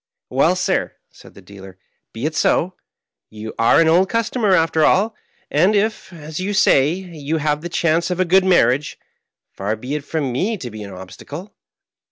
" Well, sir," said the dealer, " be it so. You are an old customer after all ; and if, as you say, you have the chance of a good marriage, far be it from me to be an obstacle.